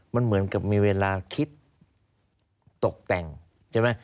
มันเหมือนกับมีเวลาคิดตกแต่งใช่ไหม